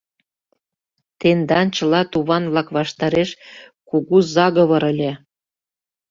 Тендан чыла туван-влак ваштареш кугу заговор ыле.